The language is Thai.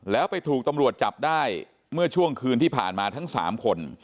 แล้วไปถูกตำรวจจับได้เมื่อช่วงคืนที่ผ่านมาทั้ง๓คน